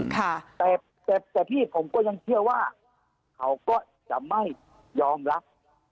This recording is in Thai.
แต่แต่พี่ผมก็ยังเชื่อว่าเขาก็จะไม่ยอมรับ